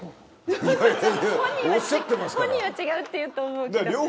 本人は「違う」って言うと思うけど。